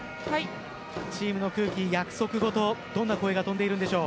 チームの空気、約束事どんな声が飛んでいるんでしょう？